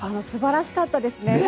素晴らしかったですね。